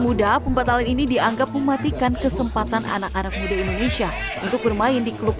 muda pembatalan ini dianggap mematikan kesempatan anak anak muda indonesia untuk bermain di klub